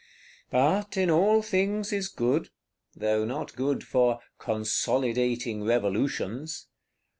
But in all things is good;—though not good for "consolidating Revolutions."